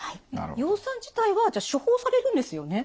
葉酸自体はじゃあ処方されるんですよね。